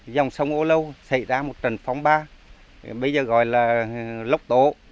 dòng sông âu lâu xảy ra một trận phóng ba bây giờ gọi là lốc tổ